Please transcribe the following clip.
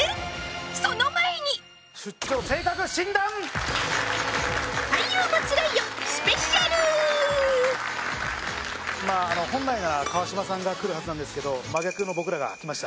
その前に本来なら川島さんが来るはずなんですけど真逆の僕らが来ました